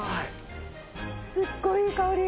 すっごいいい香り。